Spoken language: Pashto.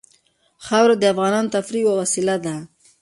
خاوره د افغانانو د تفریح یوه وسیله ده.